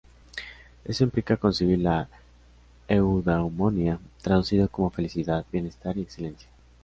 Esto implica conseguir la Eudaimonia, traducido como "felicidad", "bienestar "y "excelencia".